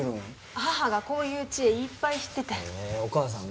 母がこういう知恵いっぱい知っててへえお母さんが？